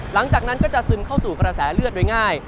หลังจากนั้นก็จะซึมเข้าสู่กระแสเลือดโดยง่าย